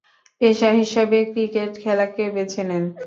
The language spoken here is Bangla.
পেশা হিসেবে ক্রিকেট খেলাকে বেছে নেন।